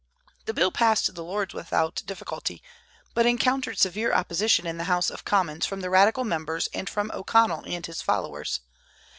The bill passed the Lords without difficulty, but encountered severe opposition in the House of Commons from the radical members and from O'Connell and his followers.